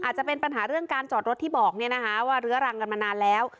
อาจจะเป็นปัญหาเรื่องการจอดรถที่บอกว่าเรื้อรังกันมานานแล้ว